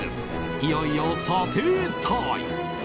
いよいよ査定タイム！